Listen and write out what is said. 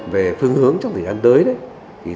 về phương hướng trong thời gian tới